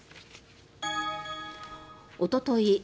おととい